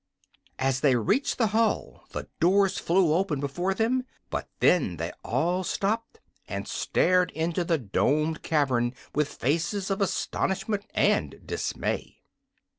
As they reached the hall the doors flew open before them; but then they all stopped and stared into the domed cavern with faces of astonishment and dismay.